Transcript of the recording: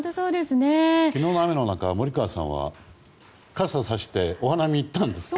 昨日の雨の中森川さんは、傘をさしてお花見に行ったんですって。